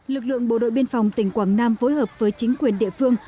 lực lượng bộ đội biên phòng tỉnh quảng nam phối hợp với chính quyền địa phương